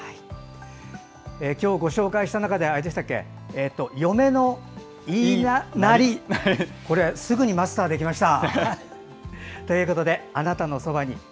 今日ご紹介した中で嫁の言いなりこれ、すぐにマスターできました。